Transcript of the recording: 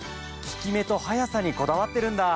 効き目と速さにこだわってるんだ。